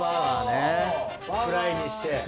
フライにして。